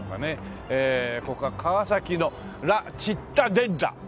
ここは川崎の「ラチッタデッラ」。